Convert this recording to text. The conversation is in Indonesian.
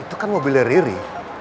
itu kan mobilnya riri